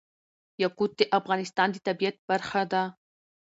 یاقوت د افغانستان د طبیعت برخه ده.